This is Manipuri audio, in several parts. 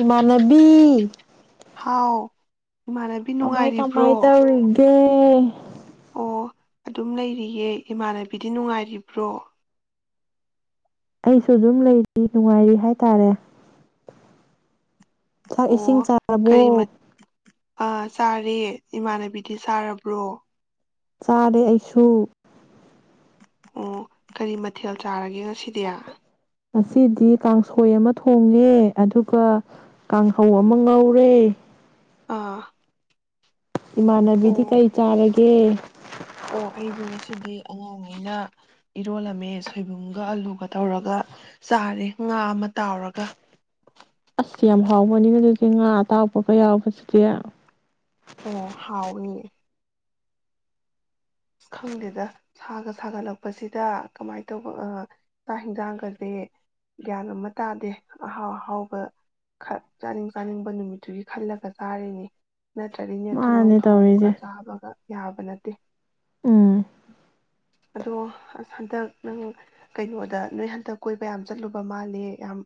ꯏꯃꯥꯟꯕꯤ ꯎꯝ ꯍꯥꯎ ꯏꯃꯥꯟꯅꯕꯤ ꯀꯃꯥꯏ ꯀꯃꯥꯏ ꯅꯨꯡꯉꯥꯏꯔꯤꯕ꯭ꯔꯣ ꯇꯔꯗꯦ ꯇ ꯑꯣ ꯑꯗꯨꯝ ꯂꯩꯔꯤꯌꯦꯦ ꯏꯃꯥꯟꯅꯕꯤꯗꯤ ꯅꯨꯡꯉꯥꯏꯔꯤꯕ꯭ꯔꯣ ꯑꯩꯁꯨ ꯑꯗꯨꯝ ꯂꯩꯔꯤ ꯅꯨꯡꯉꯥꯏꯔꯤ ꯍꯥꯏꯇꯥꯔꯦ ꯆꯥꯛ ꯏꯁꯤꯡ ꯑꯣ ꯆꯥꯔꯕꯣ ꯀꯔꯤ ꯃꯠ ꯑꯥ ꯆꯥꯔꯦ ꯏꯃꯥꯟꯅꯕꯤꯗꯤ ꯆꯔꯕ꯭ꯔꯣ ꯆꯥꯔꯦ ꯑꯩꯁꯨ ꯑꯣ ꯀꯔꯤ ꯃꯊꯦꯜ ꯆꯥꯔꯒꯦ ꯉꯁꯤꯗꯤ ꯉꯗꯤ ꯀꯥꯡꯁꯣꯏ ꯑꯃ ꯊꯣꯡꯉꯦ ꯑꯗꯨꯒ ꯀꯥꯡꯍꯧ ꯑꯃ ꯉꯧꯔꯦ ꯑꯥ ꯏꯃꯥꯟꯅꯕꯤꯗꯤ ꯀꯩ ꯆꯥꯔꯒꯦ ꯁꯤꯗꯤ ꯑꯉꯥꯡꯉꯩꯅ ꯏꯔꯣꯜꯂꯝꯃꯦ ꯁꯣꯏꯕꯨꯝꯒ ꯑꯂꯨꯒ ꯇꯧꯔꯒ ꯆꯥꯔꯦ ꯉꯥ ꯑꯃ ꯇꯥꯎꯔꯒ ꯌꯥꯝ ꯍꯥꯎꯕꯅꯤꯅ ꯑꯗꯨꯁ ꯉꯥ ꯑꯇꯥꯎꯕꯒ ꯌꯥꯎꯕꯁꯤꯗꯤ ꯑꯦ ꯍꯥꯎꯏ ꯑ ꯈꯪꯗꯦꯗ ꯁꯥꯒ ꯁꯥꯒꯠꯂꯛꯄꯁꯤꯗ ꯀꯃꯥꯏꯅ ꯇꯧꯕ ꯆꯥꯛ ꯍꯟꯁꯥꯡꯒꯁꯦ ꯒ꯭ꯌꯥꯟ ꯑꯃ ꯇꯥꯗꯦ ꯑꯍꯥꯎ ꯑꯍꯥꯎꯕ ꯆꯥꯅꯤꯡ ꯆꯥꯅꯤꯡꯕ ꯅꯨꯃꯤꯠꯇꯨꯒꯤ ꯈꯜꯂꯒ ꯆꯥꯔꯤꯅꯤ ꯆꯔꯤꯅꯦ ꯊꯣꯡꯉꯣꯝ ꯃꯥꯅꯦ ꯊꯣꯡꯉꯣꯝꯒ ꯇꯧꯔꯤꯁꯦ ꯆꯥꯕꯒ ꯌꯥꯕ ꯅꯠꯇ [unintelligible] ꯎꯝ ꯑꯗꯣ ꯑꯁ ꯍꯟꯗꯛ ꯅꯪ ꯀꯩꯅꯣꯗ ꯅꯣꯏ ꯍꯟꯗꯛ ꯀꯣꯏꯕ ꯌꯥꯝ ꯆꯠꯂꯨꯕ ꯃꯥꯜꯂꯦ ꯌꯥꯝ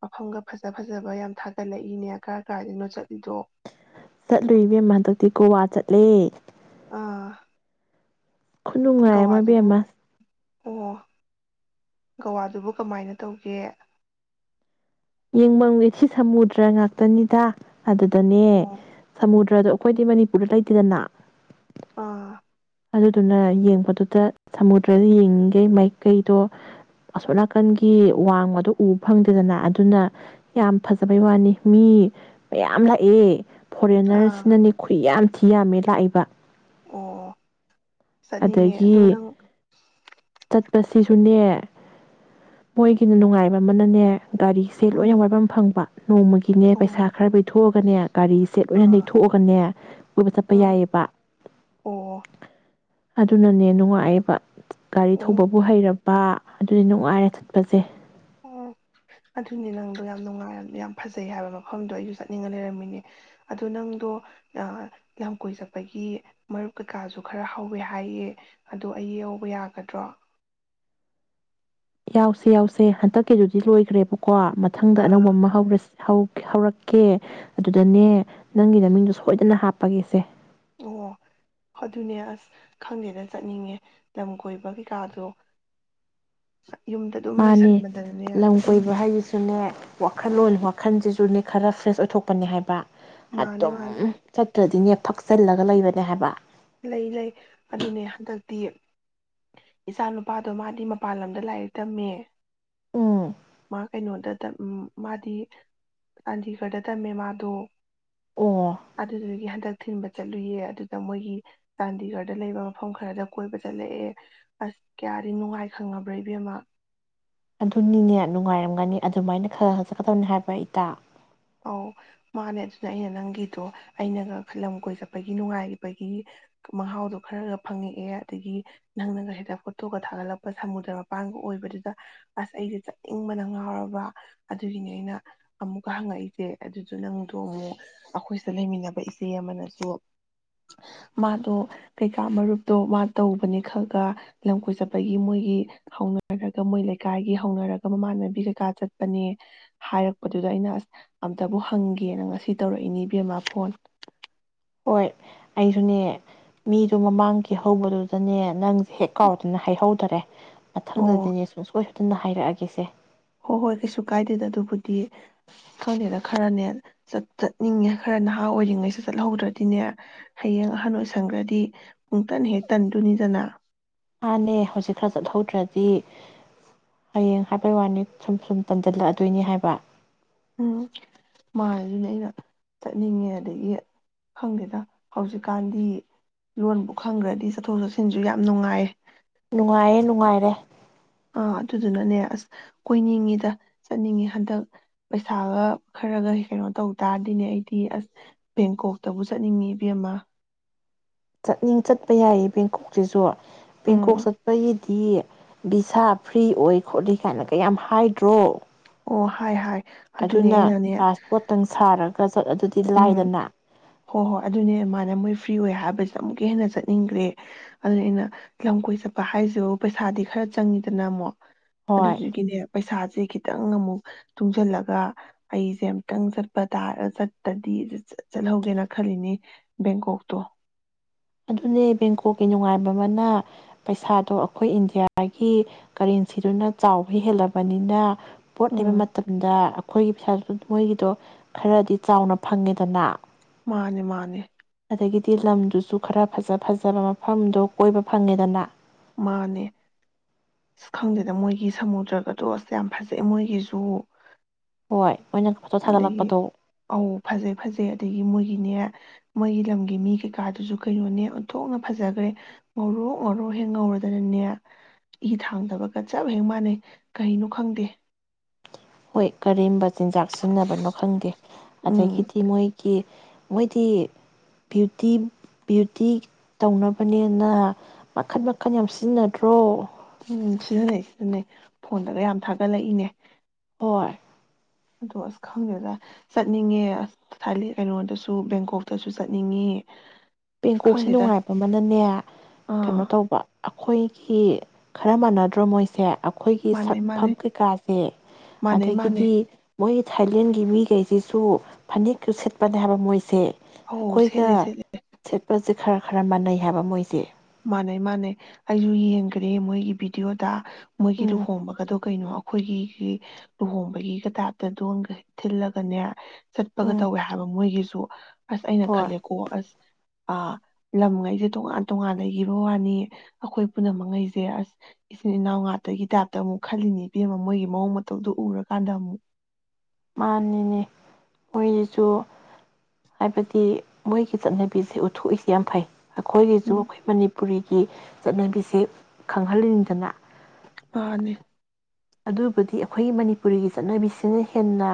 ꯃꯐꯝꯒ ꯐꯖ ꯐꯖꯕ ꯌꯥꯝ ꯊꯥꯒꯠꯂꯛꯏꯅꯦ ꯀꯔꯥꯏ ꯀꯥꯏꯗꯅꯣ ꯆꯠꯂꯤꯗꯣ ꯆꯠꯂꯨꯏꯕꯦꯝ ꯍꯟꯗꯛꯇꯤ ꯒꯣꯋꯥ ꯆꯠꯂꯦ ꯑꯥ ꯈꯨꯗꯅꯨꯡꯉꯥꯏ ꯒꯋꯥꯗꯨꯕꯨ ꯑꯃꯕꯦꯝꯃꯁ ꯑꯣ ꯒꯋꯥꯗꯨꯕꯨ ꯀꯃꯥꯏꯅ ꯇꯧꯒꯦ ꯌꯦꯡꯃꯝꯉꯦ ꯁꯤ ꯁꯃꯨꯗ꯭ꯔ ꯉꯥꯛꯇꯅꯤꯗ ꯑꯗꯨꯗꯅꯦꯨ ꯑꯣ ꯅꯠꯇ꯭ꯔꯗꯣ ꯑꯩꯈꯣꯏꯗꯤ ꯃꯅꯤꯄꯨꯔꯗ ꯂꯩꯇꯦꯗꯅ ꯑꯥ ꯑꯗꯨꯗꯨꯅ ꯌꯦꯡꯕꯗꯨꯗ ꯁꯃꯨꯗ꯭ꯔꯗ ꯌꯦꯡꯉꯤꯉꯩ ꯃꯥꯏꯀꯩꯗꯣ ꯑꯁꯣꯠ ꯅꯥꯀꯟꯒꯤ ꯋꯥꯡꯃꯗꯣ ꯎꯕ ꯐꯪꯗꯦꯗꯅ ꯑꯗꯨꯅ ꯌꯥꯝ ꯐꯖꯕꯩ ꯋꯥꯅꯤ ꯃꯤ ꯃꯌꯥꯝ ꯂꯥꯛꯑꯦ ꯑꯥ ꯐꯣꯔꯦꯟꯅꯔꯁꯤꯅꯅꯦ ꯈꯨ ꯌꯥꯝ ꯊꯤ ꯌꯥꯝꯃꯦ ꯂꯥꯛꯏꯕ ꯑꯣ ꯆꯠꯅꯤꯡꯉꯦ ꯑꯗꯣ ꯑꯗꯒꯤ ꯅꯪ ꯆꯠꯄꯁꯤꯁꯨꯅꯦ ꯃꯣꯏꯒꯤꯅ ꯅꯨꯡꯉꯥꯏꯕ ꯑꯃꯅꯅꯦ ꯒꯥꯔꯤꯁꯦ ꯎꯝ ꯂꯣꯏꯅ ꯋꯥꯏꯐꯝꯝ ꯐꯪꯕ ꯅꯣꯡꯃꯒꯤꯅꯦ ꯑꯣ ꯄꯩꯁꯥ ꯈꯔ ꯂꯩꯩꯊꯣꯛꯑꯒꯅꯦ ꯒꯥꯔꯤꯁꯦ ꯂꯣꯏꯅ ꯑꯥ ꯂꯩꯩꯊꯣꯛꯑꯒꯅꯦ ꯀꯕ ꯆꯠꯄ ꯑꯥ ꯌꯥꯏꯑꯕ ꯑꯣ ꯑꯗꯨꯅꯅꯦ ꯅꯨꯡꯉꯥꯏꯑꯕ ꯒꯥꯔꯤ ꯑꯣ ꯊꯧꯕꯕꯨ ꯍꯩꯔꯕ ꯄꯥ ꯑꯗꯨꯗꯤ ꯅꯨꯡꯉꯥꯏꯔꯦ ꯆꯠꯄꯁꯦ ꯑꯣ ꯑꯗꯨꯅꯦ ꯅꯪꯗꯣ ꯌꯥꯝ ꯅꯨꯡꯉꯥꯏ ꯌꯥꯝ ꯐꯖꯩ ꯍꯥꯏꯕ ꯃꯐꯝꯗꯣ ꯑꯩꯁꯨ ꯆꯠꯅꯤꯡꯉ ꯂꯩꯔꯝꯃꯤꯅꯦ ꯑꯗ ꯅꯪꯗꯣ ꯂꯝꯀꯣꯏ ꯆꯠꯄꯒꯤ ꯃꯔꯨꯞ ꯀꯩꯀꯥꯁꯨ ꯈꯔ ꯍꯧꯋꯦ ꯍꯥꯏꯌꯦ ꯑꯗꯣ ꯑꯩ ꯌꯧꯕ ꯌꯥꯒꯗ꯭ꯔꯣ ꯌꯥꯎꯁꯦ ꯌꯥꯎꯁꯦ ꯍꯟꯗꯛꯀꯤꯗꯨꯗꯤ ꯂꯣꯏꯈ꯭ꯔꯦ ꯀꯣ ꯃꯊꯪꯗ ꯑꯅꯧꯕ ꯑꯥ ꯑꯃ ꯍꯧꯔꯁꯤ ꯍꯧꯔꯛꯀꯦ ꯑꯗꯨꯗꯅꯦ ꯅꯪꯒꯤꯗꯃꯤꯡꯗꯣ ꯁꯣꯏꯗꯅ ꯍꯥꯞꯄꯒꯦꯁꯦ ꯑꯣ ꯑꯗꯨꯅꯦ ꯑꯁ ꯈꯪꯗꯦꯅ ꯆꯠꯅꯤꯡꯉꯦ ꯂꯝ ꯀꯣꯏꯕ ꯀꯩꯀꯥꯗꯣ ꯌꯨꯝꯗ ꯑꯗꯨꯝ ꯃꯥꯅꯦ ꯂꯩꯁꯟꯕꯗꯅꯦ ꯂꯝ ꯑꯗꯨꯝ ꯀꯣꯏꯕ ꯍꯥꯏꯗꯨꯁꯨꯅꯦ ꯋꯥꯈꯜꯂꯣꯟ ꯃꯈꯟꯁꯤꯁꯨꯅꯦ ꯈꯔ ꯐ꯭ꯔꯦꯁ ꯑꯣꯏꯊꯣꯛꯄꯅꯤ ꯍꯥꯏꯕ ꯑ ꯃꯥꯅꯦ ꯑꯗꯨꯝ ꯃꯥꯅꯦ ꯁꯠꯇꯗꯤ ꯊꯛꯆꯤꯜꯂꯒ ꯂꯩꯕꯅꯦ ꯍꯥꯏꯕ ꯂꯩ ꯂꯩ ꯑꯗꯨꯅꯦ ꯍꯟꯗꯛꯇꯤ ꯏꯆꯥ ꯅꯨꯨꯄꯥꯗꯣ ꯃꯥꯗꯤ ꯃꯄꯥꯟ ꯂꯝꯗ ꯂꯥꯏꯔꯤꯛ ꯇꯝꯃꯦ ꯎꯝ ꯃꯥ ꯀꯩꯅ ꯅꯣꯗ ꯎꯝ ꯃꯥꯗꯤ ꯆꯥꯟꯗꯤꯒꯔꯗ ꯇꯝꯃꯦ ꯃꯥꯗꯣ ꯑꯣ ꯑꯗꯨꯗꯨꯗꯒꯤ ꯍꯟꯗꯛ ꯊꯤꯟꯕ ꯆꯠꯂꯨꯌꯦ ꯑꯗꯨꯗ ꯃꯣꯏꯒꯤ ꯆꯥꯟꯗꯤꯒꯔꯗ ꯂꯩꯕ ꯃꯐꯝ ꯈꯔꯗ ꯀꯣꯏꯕ ꯆꯠꯂꯛꯑꯦ ꯑꯁ ꯀꯌꯥꯗꯤ ꯅꯨꯡꯉꯥꯏ ꯈꯪꯉꯕ꯭ꯔꯥ ꯏꯕꯦꯝꯃ ꯑꯗꯨꯅꯤꯅꯦ ꯅꯨꯡꯉꯥꯏꯔꯝꯒꯅꯤ ꯑꯗꯨꯃꯥꯏꯅ ꯈꯔ ꯈ ꯆꯠꯀꯗꯕꯅꯤ ꯍꯥꯏꯕ ꯏꯇ ꯑꯧ ꯃꯥꯅꯦ ꯑꯗꯨꯅ ꯑꯩꯅ ꯅꯪꯒꯤꯗꯣ ꯑꯩꯅꯒ ꯂꯝ ꯀꯣꯏ ꯆꯠꯄꯒꯤ ꯅꯨꯡꯉꯥꯏꯕꯒꯤ ꯃꯍꯥꯎꯗꯣ ꯈꯔꯒ ꯐꯪꯉꯛꯑꯦ ꯑꯗꯒꯤ ꯅꯪꯅꯒ ꯍꯦꯛꯇ ꯐꯣꯇꯣꯒ ꯊꯥꯒꯠꯂꯛꯄ ꯁꯃꯨꯗ꯭ꯔ ꯃꯄꯥꯟꯒ ꯑꯣꯏꯕꯗꯨꯗ ꯑꯁ ꯑꯩꯁꯦ ꯆꯠꯅꯤꯡꯕꯅ ꯉꯥꯎꯔꯕ ꯑꯗꯨꯒꯤꯅꯤ ꯑꯩꯅ ꯑꯃꯨꯛꯀ ꯍꯪꯉꯛꯏ ꯁꯦ ꯑꯗꯨꯁꯨ ꯅꯪꯗꯣ ꯑꯃꯨꯛ ꯑꯩꯈꯣꯏꯁꯤꯗ ꯂꯩꯃꯤꯟꯅꯕ ꯏꯆꯦ ꯑꯃꯅꯁꯨ ꯃꯥꯗꯣ ꯀꯩꯀꯥ ꯃꯔꯨꯞꯇꯣ ꯃꯥ ꯇꯧꯕꯅꯦ ꯈꯜꯒ ꯂꯝ ꯀꯣꯏ ꯆꯠꯄꯒꯤ ꯃꯣꯏꯒꯤ ꯍꯧꯅꯔꯒ ꯃꯣꯏ ꯂꯩꯀꯥꯏꯒꯤ ꯍꯧꯅꯔꯒ ꯃꯃꯥꯟꯅꯕꯤ ꯀꯩꯀꯥ ꯆꯠꯄꯅꯦ ꯍꯥꯏꯔꯛꯄꯗꯨꯗ ꯑꯩꯅ ꯑꯁ ꯑꯝꯇꯕꯨ ꯍꯪꯒꯦꯅ ꯉꯁꯤ ꯇꯧꯔꯛꯏꯅꯤ ꯏꯕꯦꯝꯃꯥ ꯐꯣꯟ ꯍꯣꯏ ꯑꯩꯁꯨꯅꯦ ꯃꯤꯗꯣ ꯃꯃꯥꯡꯒꯤ ꯍꯧꯕꯗꯨꯗꯅꯦ ꯅꯪ ꯍꯦꯛ ꯀꯥꯎꯗꯅ ꯍꯥꯏꯍꯧ ꯇꯔꯦ ꯑꯣ ꯃꯊꯪꯗꯗꯤꯅꯦꯣꯏ ꯑꯗꯨꯅ ꯍꯥꯏꯔꯛꯑꯒꯦꯁꯦ ꯍꯣꯏ ꯍꯣꯏ ꯀꯩꯁꯨ ꯀꯥꯏꯗꯦꯗ ꯑꯗꯨꯕꯨꯗꯤ ꯈꯪꯗꯦꯅ ꯈꯔꯅꯦ ꯆꯠꯅꯤꯡꯉꯦ ꯈꯔ ꯅꯍꯥ ꯑꯣꯏꯔꯤꯉꯩꯁꯨ ꯆꯠꯍꯧꯗ꯭ꯔꯗꯤꯅꯦ ꯍꯌꯦꯡ ꯑꯍꯟ ꯑꯣꯏꯁꯟꯈ꯭ꯔꯗꯤ ꯄꯨꯡꯇꯟ ꯍꯦꯛ ꯇꯟꯗꯣꯏꯅꯤꯗꯅ ꯃꯥꯥꯟꯅꯦ ꯍꯧꯖꯤꯛ ꯈꯔ ꯆꯠꯍꯧꯗ꯭ꯔꯗꯤ ꯍꯌꯦꯡ ꯍꯥꯏꯕꯩ ꯋꯥꯅꯤ ꯁꯨꯝ ꯁꯨꯝ ꯇꯝꯖꯜꯂꯛꯑꯗꯣꯏꯅꯤ ꯍꯥꯏꯕ ꯎꯝ ꯃꯥꯁꯤꯅꯦ ꯑꯩꯅ ꯆꯠꯅꯤꯡꯉꯦ ꯑꯗꯒꯤ ꯈꯪꯗꯦꯗ ꯍꯧꯖꯤꯛꯀꯥꯟꯗꯤ ꯂꯣꯟꯕꯨ ꯈꯪꯈ꯭ꯔꯗꯤ ꯆꯠꯊꯣꯛ ꯆꯠꯁꯤꯟꯁꯨ ꯌꯥꯝ ꯅꯨꯡꯉꯥꯏꯌꯦ ꯅꯨꯡꯉꯥꯏꯌꯦꯦ ꯅꯨꯡꯉꯥꯏꯔꯦ ꯑꯥ ꯑꯗꯨꯗꯨꯅꯅꯦ ꯑꯁ ꯀꯣꯏꯅꯤꯡꯉꯤꯗ ꯆꯠꯅꯤꯡꯉꯤ ꯍꯟꯗꯛ ꯄꯩꯁꯥꯒ ꯈꯔꯒ ꯀꯩꯅꯣ ꯇꯧ ꯇꯔꯗꯤꯅꯦ ꯑꯩꯗꯤ ꯑꯁ ꯕꯦꯡꯀꯣꯛꯇꯕꯨ ꯆꯠꯅꯤꯡꯉꯤ ꯏꯕꯃ ꯆꯠꯅꯤꯡ ꯆꯠꯄ ꯌꯥꯏꯌꯦ ꯕꯦꯡꯀꯣꯛꯁꯤꯁꯨ ꯄ ꯎꯝ ꯀꯣꯛꯁꯄ ꯗꯤ ꯚꯚꯤꯁꯥ ꯐ꯭ꯔꯤ ꯑꯣꯏ ꯈꯣꯠꯂꯤ ꯀꯥꯏꯅꯒꯌꯥꯝ ꯍꯥꯏꯗ꯭ꯔꯣ ꯑꯣ ꯍꯥꯏ ꯍꯥꯏ ꯑꯗꯨꯅꯦ ꯑꯗꯨꯅ ꯑꯩꯅꯅꯦ ꯄꯥꯁꯄꯣꯠꯇꯪ ꯁꯥꯔꯒ ꯆꯣꯠ ꯑꯗꯨꯗꯤ ꯎꯝ ꯂꯥꯏꯗꯅ ꯍꯣꯏ ꯍꯣꯏ ꯑꯗꯨꯅꯦ ꯃꯥꯅ ꯃꯣꯏ ꯐ꯭ꯔꯤ ꯑꯣꯏ ꯍꯥꯏꯕꯁ ꯑꯃꯨꯛꯀ ꯍꯦꯟꯅ ꯆꯠꯅꯤꯡꯈ꯭ꯔꯦ ꯑꯗꯨꯅ ꯑꯩꯅ ꯂꯝ ꯀꯣꯏ ꯆꯠꯄ ꯍꯥꯏꯁꯤ ꯄꯩꯁꯥꯗꯤ ꯈꯔ ꯆꯪꯉꯤꯗꯅ ꯑꯃꯨꯛ ꯍꯣꯏ ꯑꯗꯨꯗꯨꯒꯤꯅꯦ ꯄꯩꯁꯥꯁꯦ ꯈꯤꯇ ꯈꯤꯇꯪ ꯑꯃꯨꯛ ꯇꯨꯡꯁꯤꯜꯂꯒ ꯑꯩꯁꯦ ꯑꯃꯨꯛꯇꯪ ꯆꯠꯄ ꯇꯥꯔ ꯇꯗꯤ ꯆꯠꯍꯧꯒꯦꯅ ꯈꯜꯂꯤꯅꯦ ꯕꯦꯡꯀꯣꯛꯇꯣ ꯑꯗꯨꯅꯦ ꯕꯦꯡꯀꯣꯛꯀꯤ ꯅꯨꯡꯉꯥꯏꯕ ꯑꯃꯅ ꯄꯩꯁꯥꯗꯣ ꯑꯩꯈꯣꯏ ꯏꯟꯗꯤꯌꯥꯒꯤ ꯀꯔꯦꯟꯁꯤꯗꯨꯅ ꯆꯥꯎꯕ ꯍꯦꯜꯂꯕꯅꯤꯅ ꯄꯣꯠ ꯂꯩꯕ ꯎꯝ ꯃꯇꯝꯗ ꯑꯩꯈꯣꯏꯒꯤ ꯄꯩꯁꯥ ꯑꯗꯨ ꯃꯣꯏꯒꯤꯗꯣ ꯈꯔꯗꯤ ꯆꯥꯎꯅ ꯐꯪꯉꯦꯗꯅ ꯃꯥꯅꯦ ꯃꯥꯅꯦ ꯑꯗꯒꯤꯗꯤ ꯂꯝꯗꯨꯁꯨ ꯈꯔ ꯐꯖ ꯐꯖꯕ ꯃꯐꯝꯗꯣ ꯀꯣꯏꯕ ꯐꯪꯉꯦꯗꯅ ꯃꯥꯅꯦ ꯑꯁ ꯈꯪꯗꯦꯗ ꯃꯣꯏꯒꯤ ꯁꯃꯨꯗ꯭ꯔꯒꯗꯣ ꯑꯁ ꯌꯥꯝ ꯐꯖꯩꯑ ꯃꯣꯏꯒꯤꯁꯨ ꯍꯣꯏ ꯃꯣꯏꯅ ꯐꯣꯇꯣ ꯑꯗꯒꯤ ꯊꯥꯒꯠꯂꯛꯄꯗꯣ ꯑꯧ ꯐꯖꯩ ꯐꯖꯩ ꯑꯗꯒꯤ ꯃꯣꯏꯒꯤꯅꯦ ꯃꯣꯏꯒꯤ ꯂꯝꯒꯤ ꯃꯤ ꯀꯩꯀꯥꯗꯨꯁꯨ ꯀꯩꯅꯣꯅꯦ ꯑꯣꯟꯊꯣꯛꯅ ꯐꯖꯈ꯭ꯔꯦ ꯉꯧꯣꯔꯣꯛ ꯉꯧꯣꯔꯣꯛ ꯍꯦꯛ ꯉꯧꯔꯗꯅꯅꯦ ꯏ ꯊꯥꯡꯗꯕꯒ ꯆꯞ ꯍꯦꯛ ꯃꯥꯟꯅꯩ ꯀꯩꯅꯣ ꯈꯪꯗꯦ ꯍꯣꯏ ꯀꯔꯤꯕ ꯆꯤꯟꯖꯥꯛ ꯁꯤꯖꯤꯟꯅꯕꯅꯣ ꯈꯪꯗꯦ ꯎꯝ ꯑꯗꯒꯤꯗꯤ ꯃꯣꯏꯒꯤ ꯃꯣꯏꯗꯤ ꯕ꯭ꯌꯨꯇꯤ ꯕ꯭ꯌꯨꯇꯤ ꯇꯧꯅꯕꯅꯤꯅ ꯃꯈꯟ ꯃꯈꯟ ꯌꯥꯝ ꯁꯤꯖꯤꯟꯅꯗ꯭ꯔꯣ ꯎꯝ ꯁꯤꯖꯤꯟꯅꯩ ꯁꯤꯖꯤꯟꯅꯩ ꯐꯣꯟꯗꯒ ꯌꯥꯝ ꯊꯥꯒꯠꯂꯛꯏꯅꯦ ꯍꯔ ꯑꯗꯣ ꯑꯁ ꯈꯪꯗꯦꯗ ꯆꯠꯅꯤꯡꯉꯦ ꯑꯁ ꯊ ꯀꯩꯅꯣꯗꯁꯨ ꯕꯦꯡꯀꯣꯛꯇꯁꯨ ꯆꯠꯅꯤꯡꯉꯤ ꯑꯁ ꯦꯡꯀꯣꯛꯁꯦ ꯈꯪꯗꯦꯗ ꯅꯨꯡꯉꯥꯏꯕ ꯑꯃꯅꯅꯦ ꯀꯩꯅꯣ ꯑꯥ ꯇꯧꯕ ꯑꯩꯈꯣꯏꯒꯤ ꯈꯔ ꯃꯥꯟꯅꯗ꯭ꯔꯣ ꯃꯣꯏꯁꯦ ꯑꯩꯈꯣꯏꯒꯤ ꯃꯥꯟꯅꯩ ꯁꯛꯐꯝ ꯃꯥꯟꯅꯩ ꯀꯩꯀꯥꯁꯦ ꯃꯥꯟꯅꯩ ꯃꯥꯟꯅꯩ ꯑꯗꯒꯤꯗꯤ ꯃꯣꯏ ꯊꯥꯏꯂꯦꯟꯒꯤ ꯃꯤꯈꯩꯁꯤꯁꯨ ꯐꯅꯦꯛꯀ ꯁꯦꯠꯄꯅꯦ ꯍꯥꯏꯕ ꯃꯣꯏꯁꯦ ꯍ ꯁꯦꯠꯂ ꯁꯦꯠꯂ ꯆꯠꯄꯁꯦ ꯈꯔ ꯈꯔ ꯃꯥꯟꯅꯩ ꯍꯥꯏꯕ ꯃꯣꯏꯁꯦ ꯃꯥꯟꯅꯩ ꯃꯥꯥꯟꯅꯩ ꯑꯩꯁꯨ ꯌꯦꯡꯈ꯭ꯔꯦ ꯃꯣꯏꯒꯤ ꯚꯤꯗꯤꯑꯣꯗ ꯃꯣꯏꯒꯤ ꯎꯝ ꯂꯨꯍꯣꯡꯕꯒꯗꯣ ꯀꯩꯅꯣ ꯑꯩꯈꯣꯏꯒꯤ ꯂꯨꯍꯣꯡꯕꯒꯤꯒ ꯇꯥꯏꯞꯇꯗ ꯊꯤꯜꯂꯒꯅꯦ ꯆꯠꯄꯒ ꯎꯝ ꯇꯧꯋꯦ ꯍꯥꯏꯕ ꯃꯣꯏꯒꯤꯁꯨ ꯑꯁ ꯑꯩꯅ ꯍꯣꯏ ꯈꯜꯂꯦꯀꯣ ꯑꯁ ꯑꯥ ꯂꯝꯈꯩꯁꯦ ꯇꯣꯉꯥꯟ ꯇꯣꯉꯥꯟ ꯂꯩꯈꯤꯕ ꯋꯥꯅꯤ ꯑꯩꯈꯣꯏ ꯄꯨꯝꯅꯃꯛꯉꯩꯁꯦ ꯑꯁ ꯏꯆꯤꯟ ꯏꯅꯥꯎ ꯉꯇꯒꯤ ꯇꯥꯏꯞꯇ ꯑꯃꯨꯛ ꯈꯜꯂꯤꯅꯤ ꯏꯕꯦꯝꯃ ꯃꯣꯏꯒꯤ ꯃꯑꯣꯡ ꯃꯇꯧꯗꯨꯣ ꯎꯔꯀꯥꯟꯗ ꯑꯃꯨꯛ ꯃꯥꯅꯤꯅꯦ ꯃꯣꯏꯁꯤꯁꯨ ꯍꯥꯏꯕꯗꯤ ꯃꯣꯏꯒꯤ ꯆꯠꯅꯕꯤꯁꯦ ꯎꯠꯊꯣꯛꯏꯁꯦ ꯌꯥꯝ ꯐꯩ ꯑꯩꯈꯣꯏꯒꯤꯁꯨ ꯎꯝ ꯑꯩꯈꯣꯏ ꯃꯅꯤ ꯄꯨꯔꯤꯒꯤ ꯆꯠꯅꯕꯤꯁ ꯈꯪꯍꯟꯅꯤꯡꯅꯤꯡꯗꯅ ꯑꯅꯤ ꯑꯗꯨꯕꯨꯗꯤ ꯑꯩꯈꯣꯏꯒꯤ ꯃꯅꯤꯄꯨꯔꯤꯒꯤ ꯆꯠꯅꯕꯤꯁꯤꯅ ꯍꯦꯟꯅ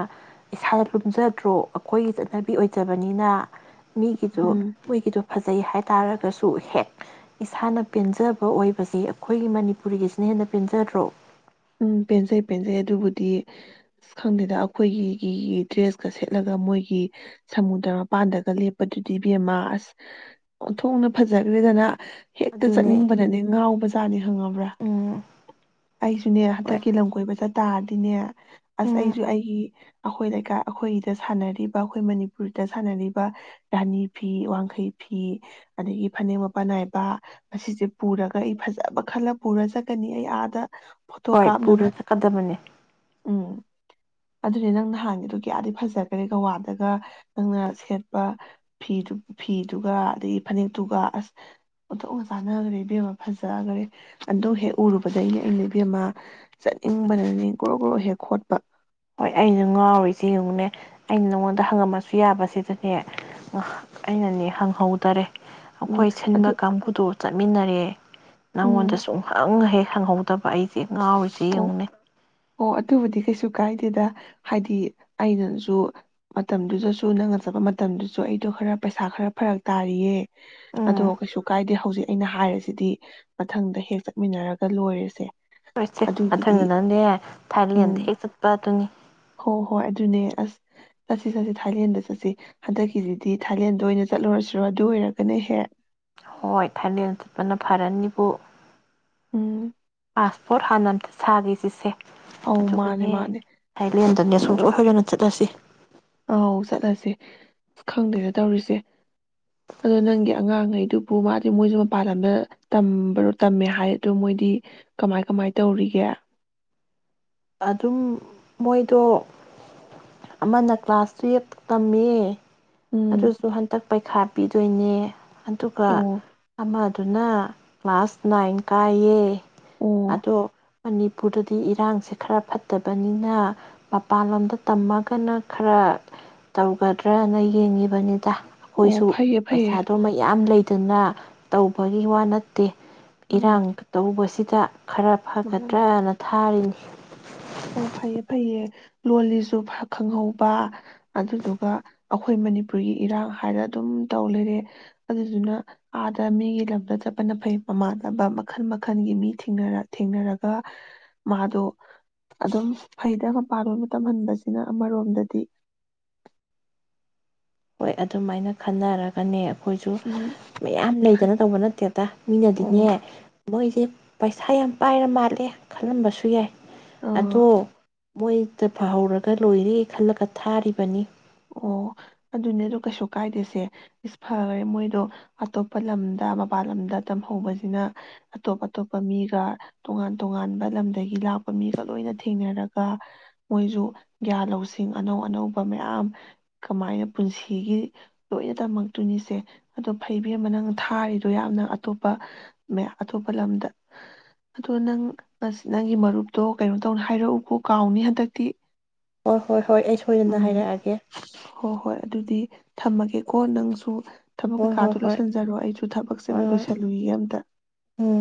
ꯏꯁꯥꯗ ꯂꯨꯝꯖꯗ꯭ꯔꯣ ꯑꯩꯈꯣꯏꯒꯤ ꯆꯠꯅꯕꯤ ꯑꯣꯏꯖꯕꯅꯤꯅ ꯃꯤꯒꯤꯗꯨ ꯎꯝ ꯃꯤꯒꯤꯗꯨ ꯐꯖꯩ ꯍꯥꯏ ꯇꯥꯔꯒꯁꯨ ꯍꯦꯛ ꯏꯁꯥꯅ ꯄꯦꯟꯖꯕ ꯑꯣꯏꯕꯁꯤ ꯑꯩꯈꯣꯏꯒꯤ ꯃꯅꯤꯄꯨꯔꯤꯒꯤꯁꯤꯅ ꯍꯦꯟꯅ ꯄꯦꯟꯖꯗ꯭ꯔꯣ ꯎꯝ ꯄꯦꯟꯖꯩ ꯄꯦꯟꯖꯩ ꯑꯗꯨꯕꯨꯗꯤ ꯑꯁ ꯈꯪꯗꯦꯗ ꯑꯩꯈꯣꯏꯒꯤ ꯗ꯭ꯔꯦꯁꯀ ꯁꯦꯠꯂꯒ ꯃꯣꯏꯒꯤ ꯁꯃꯨꯗ꯭ꯔ ꯃꯄꯥꯟꯗꯒ ꯂꯦꯞꯄꯗꯨꯗꯤ ꯕꯦꯝꯃꯥ ꯑꯁ ꯑꯣꯊꯣꯡꯅ ꯐꯖꯈ꯭ꯔꯦꯗꯅ ꯍꯦꯛꯇ ꯑꯗꯨꯅꯦ ꯆꯠꯅꯤꯡꯕꯅꯅꯦ ꯉꯥꯎꯕꯁꯤꯁ ꯆꯥꯅꯤ ꯈꯪꯉꯕ꯭ꯔꯥ ꯎꯝ ꯑꯩꯁꯨ ꯁꯤꯅꯦ ꯍꯣꯏ ꯍꯟꯗꯛꯀꯤ ꯂꯝ ꯀꯣꯏꯕ ꯆꯠ ꯇꯥꯔꯗꯤꯅꯦ ꯑꯁ ꯎꯝ ꯑꯩꯁꯨ ꯑꯩꯒꯤ ꯑꯩꯈꯣꯏ ꯂꯩꯀꯥꯏ ꯑꯩꯈꯣꯏꯗ ꯁꯥꯟꯅꯔꯤꯕ ꯑꯩꯈꯣꯏ ꯃꯅꯤꯄꯨꯔꯗ ꯁꯥꯟꯅꯔꯤꯕ ꯔꯥꯅꯤ ꯐꯤ ꯋꯥꯡꯈꯩ ꯐꯤ ꯑꯗꯒꯤ ꯐꯅꯦꯛ ꯃꯄꯥꯟ ꯅꯥꯏꯕ ꯑꯁꯤꯁꯦ ꯄꯨꯔꯒ ꯑꯩ ꯐꯖꯕ ꯈꯜꯂ ꯄꯨꯔ ꯆꯠꯀꯅꯤ ꯑꯩ ꯑꯥꯗ ꯐꯣꯇꯣ ꯍꯣꯏ ꯄꯨꯔꯥ ꯀꯥꯞꯅꯕ ꯊ ꯇꯥ ꯃꯅꯤꯅꯦ ꯎꯝ ꯑꯗꯨꯅꯦ ꯅꯪ ꯅꯍꯥꯟꯒꯤꯗꯨ ꯀꯌꯥꯗꯤ ꯐꯖꯈꯔꯦ ꯒꯋꯥꯗꯒ ꯅꯪꯅ ꯁꯦꯠꯄ ꯐꯤꯗꯨ ꯐꯤꯗꯨꯒ ꯑꯗꯒꯤ ꯐꯅꯦꯛꯇꯨꯒ ꯑꯁ ꯑꯣꯊꯣꯛꯅ ꯆꯥꯟꯅꯈ꯭ꯔꯦ ꯏꯕꯦꯝꯃ ꯐꯖꯈꯔꯦ ꯑꯗꯨꯗꯣ ꯍꯦꯛ ꯎꯔꯨꯕꯁꯦ ꯑꯩꯅꯦ ꯑꯃ ꯆꯠꯅꯤꯡꯕꯅꯅꯦ ꯒ꯭ꯔꯣ ꯒ꯭ꯔꯣ ꯍꯦꯛ ꯈꯣꯠꯄ ꯍꯣꯏ ꯑꯁꯨ ꯉꯥꯎꯔꯤꯁꯤ ꯌꯦꯡꯉꯨꯅꯦ ꯑꯩꯅ ꯅꯉꯣꯟꯗ ꯍꯪꯉꯝꯃꯁꯨ ꯌꯥꯕꯁꯤꯗꯅꯦ ꯑꯩꯅꯅꯦ ꯍꯪꯍꯧꯗꯔꯦ ꯎꯝ ꯑꯩꯈꯣꯏ ꯁꯤꯟꯕ ꯑꯗꯨ ꯀꯥꯡꯕꯨꯗꯨ ꯆꯠꯃꯤꯟꯅꯔꯦ ꯎꯝ ꯅꯪꯉꯣꯟꯗ ꯁꯨꯡꯍꯪ ꯍꯦꯛ ꯈꯪꯍꯧꯗꯕ ꯑꯩ ꯑꯣ ꯑꯣ ꯑꯗꯨꯕꯨꯗꯤ ꯀꯩꯁꯨ ꯀ ꯀꯥꯏꯗꯦꯗ ꯍꯥꯏꯗꯤ ꯑꯩꯅꯁꯨ ꯃꯇꯝꯗꯨꯗꯁꯨ ꯅꯪꯅ ꯆꯠꯄ ꯃꯇꯝꯗꯨꯁꯨ ꯑꯩꯗꯣ ꯈꯔ ꯄꯩꯁꯥ ꯈꯔ ꯐꯔꯛ ꯇꯥꯔꯤꯌꯦ ꯑꯗꯣ ꯎꯝ ꯀꯩꯁꯨ ꯀꯥꯏꯗꯦ ꯍꯧꯖꯤꯛ ꯑꯩꯅ ꯍꯥꯏꯔꯤꯁꯤꯗꯤ ꯃꯊꯪꯗ ꯍꯦꯛ ꯆꯠꯃꯤꯟꯅꯔꯒ ꯂꯣꯏꯔꯁꯦ ꯍꯣꯏꯁꯦ ꯃꯊꯪꯗꯅꯪꯅꯦ ꯊꯥꯏꯂꯦꯟꯗ ꯎꯝ ꯍꯦꯛ ꯆꯠꯄ ꯑꯗꯨꯅꯤ ꯍꯣꯏ ꯍꯣꯏ ꯑꯗꯨꯅꯦ ꯑꯁ ꯆꯠꯁꯤ ꯆꯠꯁꯤ ꯊꯥꯏꯂꯦꯟꯗ ꯆꯠꯁꯤ ꯍꯟꯗꯛꯀꯤꯁꯤꯗꯤ ꯊꯥꯏꯂꯦꯟꯗ ꯑꯣꯏꯅ ꯆꯠꯂꯨꯔꯁꯤꯔꯣ ꯑꯗꯨ ꯑꯣꯏꯔꯒꯅ ꯍꯦꯛ ꯍꯣꯏ ꯊꯥꯏꯂꯦꯟ ꯆꯠꯄꯅ ꯐꯔꯅꯤꯕꯨ ꯎꯝ ꯄꯥꯁꯄꯣꯔꯠ ꯍꯥꯟꯅ ꯁꯥꯒ ꯆꯁꯦ ꯑꯧ ꯃꯥꯅꯦ ꯑꯗꯨꯒꯅꯦ ꯃꯥꯅꯦ ꯊꯥꯏꯂꯦꯟ ꯆꯅꯤ ꯁꯨꯡꯁꯣꯏ ꯍꯣꯏꯗꯅ ꯆꯠꯂꯁꯤ ꯑꯥꯎ ꯆꯠꯂꯁꯦ ꯑ ꯈꯪꯗꯦꯗ ꯇꯧꯔꯤꯁꯦ ꯑꯗꯣ ꯅꯪꯒꯤ ꯑꯉꯥꯡꯉꯩꯗꯨꯕꯨ ꯃꯥꯗꯤ ꯃꯣꯏꯁꯨ ꯃꯄꯥꯥꯟ ꯂꯝꯗ ꯇꯝꯕꯔꯣ ꯇꯝꯃꯦ ꯍꯥꯏꯗꯣ ꯃꯣꯏꯗꯤ ꯀꯃꯥꯏ ꯀꯃꯥꯏ ꯇꯧꯔꯤꯒꯦ ꯑꯗꯨꯝ ꯃꯣꯏꯗꯣ ꯑꯃꯅ ꯀ꯭ꯂꯥꯁ ꯇꯨꯌꯦꯜꯞ ꯇꯝꯃꯦ ꯎꯝ ꯑꯗꯨꯁꯨꯨ ꯍꯟꯇꯛ ꯄꯩꯈꯥ ꯄꯤꯗꯣꯏꯅꯦ ꯑꯗꯨꯒ ꯑꯣ ꯑꯃ ꯑꯗꯨꯅ ꯀ꯭ꯂꯥꯁ ꯅꯥꯏꯟ ꯀꯥꯏꯌꯦ ꯑꯣ ꯑꯗꯣ ꯃꯅꯤꯄꯨꯔꯗꯗꯤ ꯏꯔꯥꯡꯁꯦ ꯈꯔ ꯐꯠꯇꯕꯅꯤꯅ ꯃꯄꯥꯟꯂꯣꯝꯗ ꯇꯝꯃꯒꯅ ꯈꯔ ꯇꯧꯒꯗ꯭ꯔꯅ ꯌꯦꯡꯉꯤꯕꯅꯤꯗ ꯑꯣ ꯑꯩꯈꯣꯏꯁꯨ ꯐꯩꯌꯦ ꯐꯩꯌꯦ ꯄꯩꯁꯥꯗꯨ ꯃ ꯌꯥꯝ ꯂꯩ ꯑꯗꯨꯅ ꯇꯧꯕꯒꯤ ꯋꯥ ꯅꯠꯇꯦ ꯎꯝ ꯏꯔꯥꯡ ꯇꯕꯨ ꯁꯤ ꯆ ꯈꯔ ꯃꯥꯅꯦ ꯐꯒꯗ꯭ꯔꯅ ꯊꯥꯔꯤꯅꯤ ꯑꯣ ꯐꯩꯌꯦ ꯐꯩꯌꯦ ꯂꯣꯜꯂꯤꯁꯨ ꯈꯪꯍꯧꯕ ꯑꯗꯨꯗꯨꯒ ꯑꯩꯈꯣꯏ ꯃꯅꯤꯄꯨꯔꯒꯤ ꯏꯔꯥꯡ ꯍꯥꯏꯔ ꯑꯗꯨꯝ ꯇꯧ ꯂꯩꯔꯦ ꯑꯗꯨꯗꯨꯅ ꯑꯥꯗ ꯃꯤꯒꯤ ꯂꯝꯗ ꯆꯠꯄꯅ ꯐꯩ ꯃꯃꯥꯟꯅꯕ ꯃꯈꯜ ꯃꯈꯜꯒꯤ ꯃꯤꯔ ꯊꯦꯡꯅꯔꯒ ꯃꯥꯗꯣ ꯑꯗꯨꯝ ꯐꯩꯗ ꯃꯄꯥꯟꯂꯣꯏ ꯇꯝꯍꯟꯕꯁꯤꯅ ꯑꯃꯔꯣꯝꯗꯗꯤ ꯍꯣꯏ ꯑꯗꯨꯃꯥꯏꯅ ꯈꯟꯅꯔꯒꯅꯦ ꯑꯩꯈꯣꯏꯁꯨ ꯎꯝ ꯃꯌꯥꯝ ꯂꯩꯗꯅ ꯇꯧꯕ ꯅꯠꯇꯦꯗ ꯑꯣ ꯃꯤꯅꯗꯤꯅꯦ ꯃꯣꯏꯗꯤꯦ ꯄꯩꯁꯥ ꯌꯥꯝ ꯄꯥꯏꯔ ꯃꯥꯜꯂꯦ ꯈꯜꯂꯝꯕꯁꯨ ꯌꯥꯏ ꯑ ꯑꯗꯣ ꯃꯣꯏꯗ ꯐꯍꯧꯔꯒ ꯂꯣꯏꯔꯦ ꯈꯜꯂꯒ ꯊꯥꯔꯤꯕꯅꯤ ꯑꯣ ꯑꯗꯨꯅꯦꯗ ꯀꯩꯁꯨ ꯀꯥꯏꯗꯦꯁꯦ ꯏꯁ ꯐꯈꯔꯦ ꯃꯣꯏꯗꯣ ꯑꯇꯣꯞꯄ ꯂꯝꯗ ꯃꯄꯜ ꯂꯝꯗ ꯇꯝꯍꯧꯕꯁꯤꯅ ꯑꯇꯣꯞ ꯑꯇꯣꯞꯄ ꯃꯤꯒ ꯇꯣꯉꯥꯟ ꯇꯣꯉꯥꯟꯕ ꯂꯝꯗꯒꯤ ꯂꯥꯛꯄ ꯃꯤꯒ ꯂꯣꯏꯅ ꯊꯦꯡꯅꯔꯒ ꯃꯣꯏꯁꯨ ꯒ꯭ꯌꯥꯟ ꯂꯧꯁꯤꯡ ꯑꯅꯧ ꯑꯅꯧꯕ ꯃꯌꯥꯝ ꯀꯃꯥꯏꯅ ꯄꯨꯟꯁꯤꯒꯤ ꯂꯣꯏꯅ ꯇꯝꯃꯛꯇꯣꯏꯅꯤꯁꯦ ꯑꯗꯣ ꯐꯩꯕꯤꯔ ꯑꯃ ꯅꯪ ꯊꯥꯔꯤꯗꯣ ꯌꯥꯝꯅ ꯑꯇꯣꯞꯄ ꯃ ꯑꯇꯣꯞꯄ ꯂꯝꯗ ꯑꯗꯣ ꯅꯪ ꯅꯪꯒꯤ ꯃꯔꯨꯞꯇꯣ ꯀꯩꯅꯣ ꯇꯧꯅꯤ ꯍꯥꯏꯔꯛꯎꯕ ꯀꯥꯎꯅꯤ ꯍꯟꯗꯛꯇꯤ ꯍꯣꯏ ꯍꯣꯏ ꯍ ꯍꯣꯏ ꯑꯩ ꯁꯣꯏꯗꯅ ꯎꯝ ꯍꯥꯏꯔꯛꯑꯒꯦ ꯍꯣꯏ ꯍꯣꯏ ꯑꯗꯨꯗꯤ ꯊꯝꯃꯒꯦꯀꯣ ꯅꯪꯁꯨ ꯊꯕꯛ ꯍꯣꯏ ꯍꯣꯏ ꯀꯩꯀꯥꯗꯨꯣ ꯍꯣꯏ ꯂꯣꯏꯁꯤꯟꯖꯔꯣ ꯑꯩꯁꯨ ꯊꯕꯛ ꯁꯦꯝꯅ ꯍꯣꯏ ꯍꯣꯏ ꯂꯣꯏꯁꯤꯜꯂꯨꯏ ꯑꯝꯇ ꯎꯝ